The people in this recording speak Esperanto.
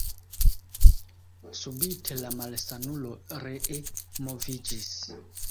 Subite la malsanulo ree moviĝis.